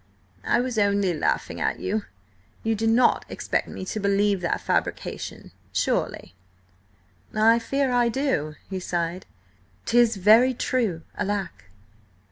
"I was only laughing at you. You do not expect me to believe that fabrication–surely?" "I fear I do," he sighed. "'Tis very true, alack!"